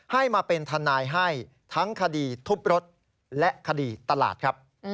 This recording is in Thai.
ให้มาเป็นทนายให้ทั้งคดีทุบรถและคดีตลาดครับ